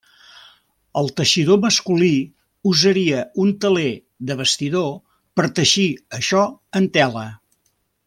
El teixidor masculí usaria un teler de bastidor per teixir això en tela.